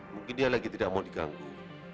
mungkin dia lagi tidak mau diganggu